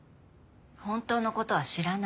本当の事は知らない。